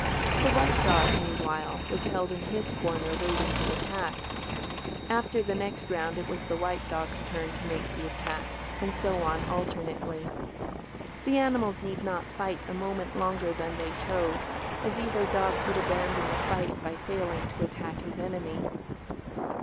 The white dog, meanwhile, was held in his corner waiting the attack. After the next round it was the white dog's turn to make the attack, and so on alternately. The animals need not fight a moment longer than they chose, as either dog could abandon the fight by failing to attack his enemy.